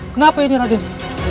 kenapa ini raden